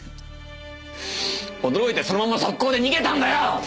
驚いてそのまま即行で逃げたんだよ！